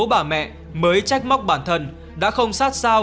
bà mẹ mới trách móc bản thân đã không sát sao